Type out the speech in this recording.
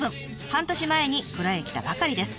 半年前に蔵へ来たばかりです。